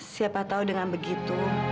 siapa tahu dengan begitu